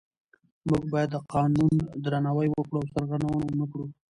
موږ باید د قانون درناوی وکړو او سرغړونه ونه کړو